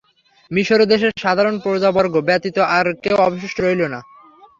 মিসর দেশে সাধারণ প্রজাবর্গ ব্যতীত আর কেউ অবশিষ্ট রইল না।